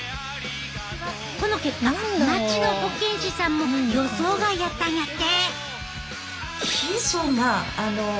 この結果町の保健師さんも予想外やったんやって！